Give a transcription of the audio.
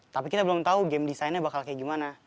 tapi kita belum tau game designnya bakal kayak gimana